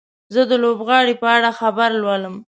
زه د لوبغاړي په اړه خبر لولم.